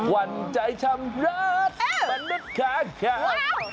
วันใจชำรักมนุษย์ค้างค้าง